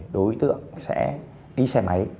đối tượng sẽ đi xe máy